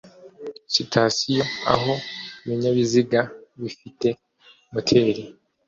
sitasiyo aho ibinyabiziga bifite moteri